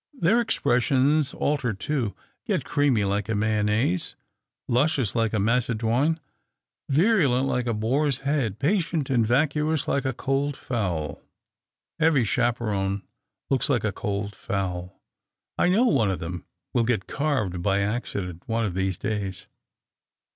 Their expressions alter too — get creamy like a mayonnaise, luscious like a macedoine, virulent like a boar's head, patient and vacuous like a cold fowl. Every chaperone looks like a cold fowl. I know one of them will get carved by accident one of these days."